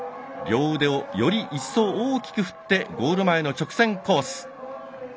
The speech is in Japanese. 両腕をより一層大きく振ってゴール前の直線コース。